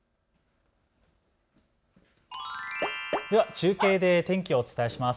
中継で天気をお伝えします。